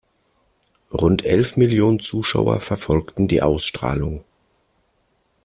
Rund elf Millionen Zuschauer verfolgten die Ausstrahlung.